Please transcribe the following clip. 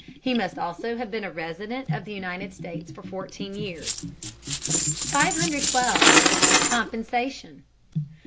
He must also have been a resident of the United States for fourteen years. 512. COMPENSATION.